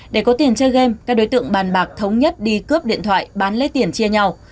để có tiền chơi game các đối tượng bàn bạc thống nhất đi cướp điện thoại bán lấy tiền chia nhau